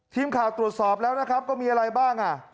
ทีมข่าวตรวจสอบแล้วนะครับก็มีอะไรบ้างอ่ะ